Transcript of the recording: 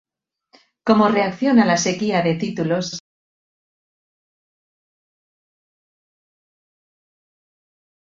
Como reacción a la sequía de títulos, el equipo era reconstruido cada temporada.